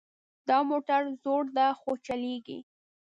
دا موټر زوړ ده خو چلیږي